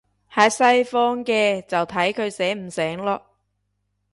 喺西方嘅，就睇佢醒唔醒囉